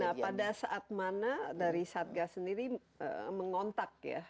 nah pada saat mana dari satga sendiri mengontak ya